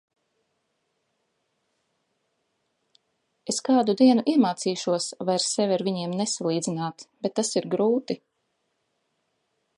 Es kādu dienu iemācīšos vairs sevi ar viņiem nesalīdzināt, bet tas ir grūti.